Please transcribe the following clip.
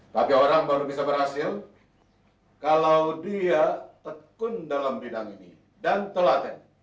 tapi orang baru bisa berhasil kalau dia tekun dalam bidang ini dan telaten